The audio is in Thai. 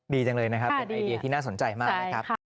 ดีจังเลยนะครับเป็นไอเดียที่น่าสนใจมากนะครับ